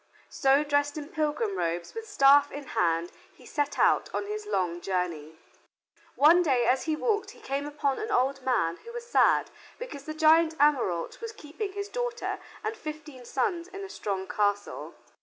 So, dressed in pilgrim robes, with staff in hand he set out on his long journey. One day as he walked he came upon an old man who was sad because the giant Ameraunt was keeping his daughter and fifteen sons in a strong castle.